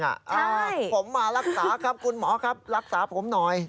ผมมารักษาครับคุณหมอครับรักษาผมหน่อย